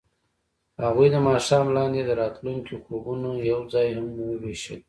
هغوی د ماښام لاندې د راتلونکي خوبونه یوځای هم وویشل.